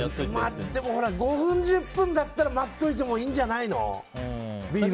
でも５分、１０分だったら待ってもいいんじゃない？